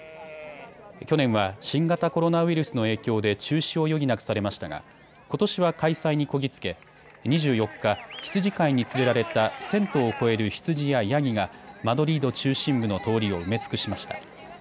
去年は新型コロナウイルスの影響で中止を余儀なくされましたがことしは開催にこぎ着け２４日、羊飼いに連れられた１０００頭を超える羊やヤギがマドリード中心部の通りを埋め尽くしました。